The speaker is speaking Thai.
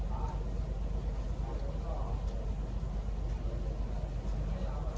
สวัสดีครับทุกคน